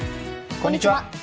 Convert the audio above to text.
こんにちは。